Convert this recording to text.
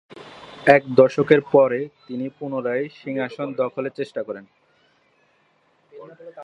এক দশক পরে তিনি পুনরায় সিংহাসন দখলের চেষ্টা করেন।